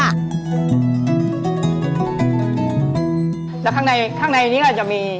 แล้วข้างในนี้อาจจะมี